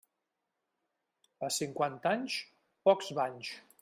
A cinquanta anys, pocs banys.